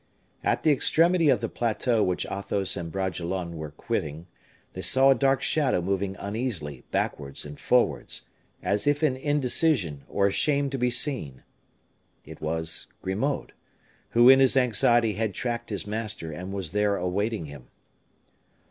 At the extremity of the plateau which Athos and Bragelonne were quitting, they saw a dark shadow moving uneasily backwards and forwards, as if in indecision or ashamed to be seen. It was Grimaud, who in his anxiety had tracked his master, and was there awaiting him.